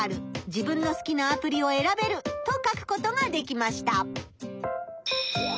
自分の好きなアプリをえらべる」と書くことができました。